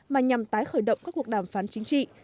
mà nhằm tái khởi động các cuộc đàm phán chính trị